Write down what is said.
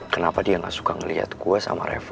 kenapa dia gak suka ngeliat gue sama reva